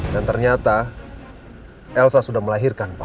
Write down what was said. dan ternyata elsa sudah melahirkan pak